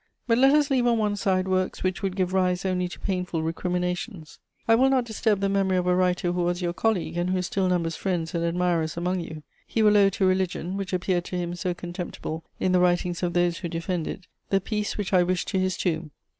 But let us leave on one side works which would give rise only to painful recriminations: I will not disturb the memory of a writer who was your colleague and who still numbers friends and admirers among you; he will owe to religion, which appeared to him so contemptible in the writings of those who defend it, the peace which I wish to his tomb.